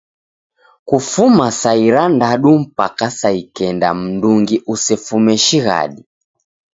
Kufuma saa irandadu mpaka saa ikenda mndungi usefume shighadi.